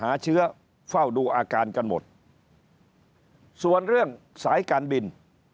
หาเชื้อเฝ้าดูอาการกันหมดส่วนเรื่องสายการบิน